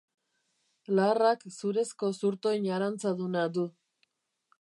Laharrak zurezko zurtoin arantzaduna du.